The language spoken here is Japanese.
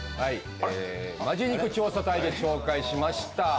「本気肉調査隊」で紹介しました